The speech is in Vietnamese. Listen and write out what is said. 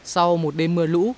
sau một đêm mưa lũ